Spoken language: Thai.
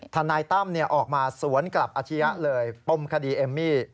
ทนายตั้มออกมาสวนกลับอาชียะเลยปมคดีเอมมี่